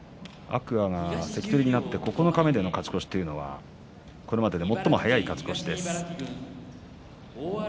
天空海が関取になって九日目での勝ち越しは、これまでで最も早い勝ち越しです。